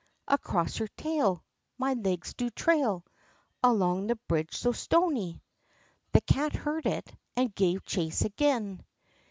Across her tail My legs do trail Along the bridge so stony!" The cat heard it, and gave chase again.